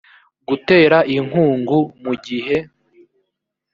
gutera inkungu mu gihe